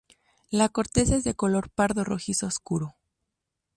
La corteza es de color pardo rojizo oscuro.